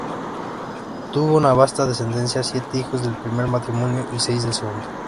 Tuvo una vasta descendencia: siete hijos del primer matrimonio y seis del segundo.